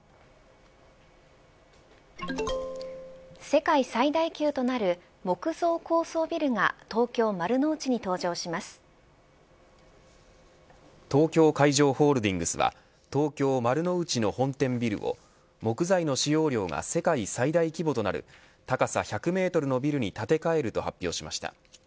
世界最大級となる木造高層ビルが東京、丸の内に登東京海上ホールディングスは東京、丸の内の本店ビルを木材の使用量が世界最大規模となる高さ１００メートルのビルに建て替えると発表しました。